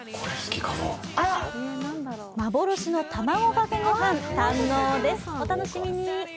幻のたまごかけ御飯堪能です、お楽しみに。